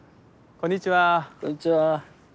こんにちは。